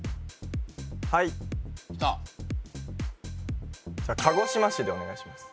はいきた鹿児島市でお願いします